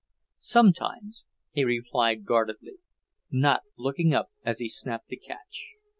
"Sometimes," he replied guardedly, not looking up as he snapped the catch.